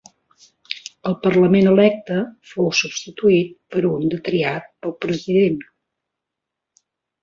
El Parlament electe fou substituït per un de triat pel president.